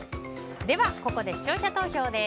ここで視聴者投票です。